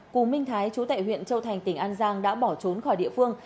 cụ minh thái chú tệ huyện châu thành tỉnh an giang đã bỏ trốn khỏi địa phương